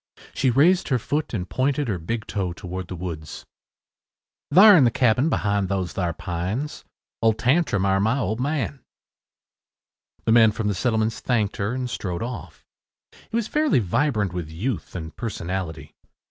She raised her foot and pointed her big toe toward the woods. “Thar in the cabing behind those thar pines. Old Tantrum air my old man.” The man from the settlements thanked her and strode off. He was fairly vibrant with youth and personality.